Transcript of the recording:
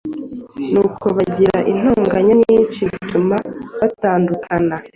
Nuko bagira intonganya nyinshi, bituma batandukana;